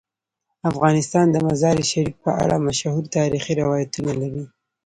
افغانستان د مزارشریف په اړه مشهور تاریخی روایتونه لري.